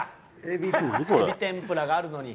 エビ天ぷらがあるのに。